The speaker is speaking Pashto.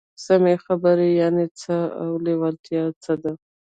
سمې خبرې يانې څه او لېوالتيا څه ده؟